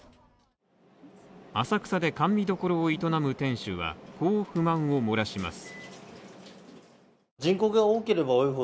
浅草で甘味処を営む店主はこう不満を漏らします。